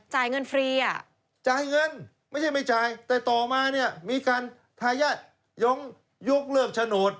จ่ายเงินฟรีอ่ะจ่ายเงินไม่ใช่ไม่จ่ายแต่ต่อมาเนี่ยมีการทายาทยงยกเลิกโฉนด